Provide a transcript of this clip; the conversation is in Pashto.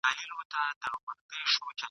دا هنر دي له کوم ځایه دی راوړی ..